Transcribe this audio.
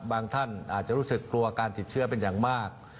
ท่านอาจจะรู้สึกกลัวการติดเชื้อเป็นอย่างมาก